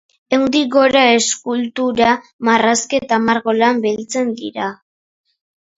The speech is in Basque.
Ehundik gora eskultura, marrazki eta margo lan biltzen dira.